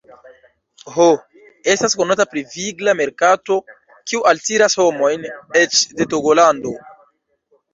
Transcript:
Ho estas konata pri vigla merkato, kiu altiras homojn eĉ de Togolando.